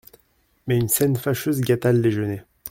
Mais une scène fâcheuse gâta le déjeuner.